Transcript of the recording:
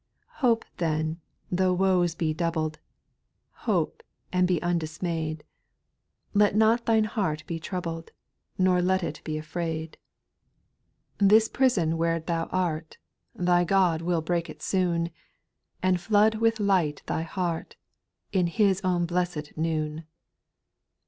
a. Hope, then, tho' woes be doubled, ' Hope, and be undismayed ; Let not thine heart be troubled, Nor let it be afraid. 408 SPIRITUAL SONGS. This prison where thou art, Thy God will break it soon, And flood with light thy heart, In His own blessed noon.